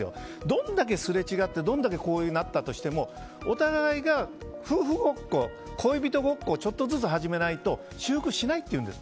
どれだけすれ違ってどんだけこうなったとしてもお互いが夫婦ごっこ恋人ごっこをちょっとずつ始めないと修復しないっていうんです。